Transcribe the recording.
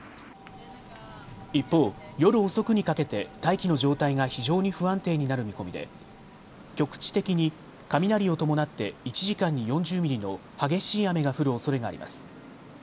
一方、夜遅くにかけて大気の状態が非常に不安定になる見込みで局地的に雷を伴って１時間に４０ミリの激しい雨が降るおそれがあります。